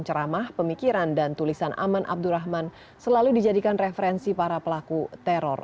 ceramah pemikiran dan tulisan aman abdurrahman selalu dijadikan referensi para pelaku teror